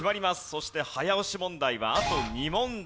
そして早押し問題はあと２問だけです。